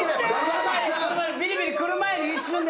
ビリビリくる前に一瞬で。